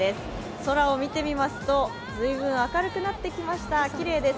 空を見てみますと、随分明るくなってきました、きれいです。